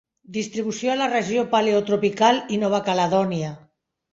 Distribució a la regió paleotropical i Nova Caledònia.